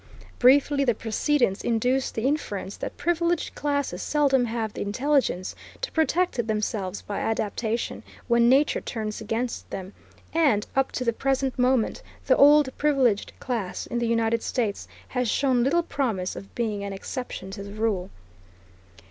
Briefly the precedents induce the inference that privileged classes seldom have the intelligence to protect themselves by adaptation when nature turns against them, and, up to the present moment, the old privileged class in the United States has shown little promise of being an exception to the rule.